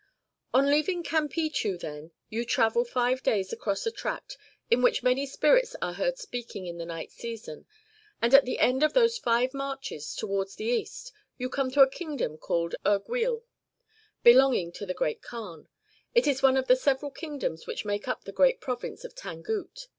On leaving Camplchu, then, you travel five days across a tract in which many spirits are heard speaking in the night season ; and at the end of those five marches, towards the east, you come to a kingdom called Erguiul, belonging to the Great Kaan. It is one of the several kingdoms which make up the great Province of Tangut.